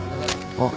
あっ。